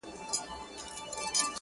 • د کافي پیالې ته ناست دی په ژړا دی ,